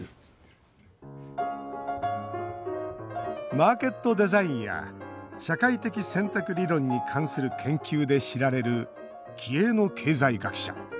マーケットデザインや社会的選択理論に関する研究で知られる気鋭の経済学者。